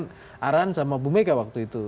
kekejaran sama bu mega waktu itu